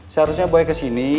seharusnya boy kesini